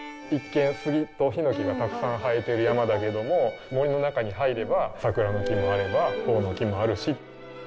一見スギとヒノキがたくさん生えてる山だけども森の中に入ればサクラの木もあればホオノキもあるし。